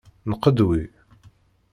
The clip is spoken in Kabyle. Nqedwi.